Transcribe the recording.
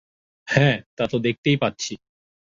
হ্যাঁ, তা তো দেখতেই পাচ্ছি।